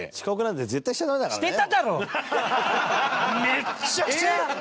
めっちゃくちゃ！